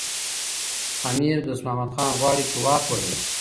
امیر دوست محمد خان غواړي چي واک ولري.